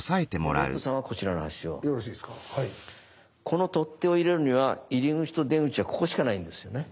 この取っ手を入れるには入り口と出口はここしかないですよね？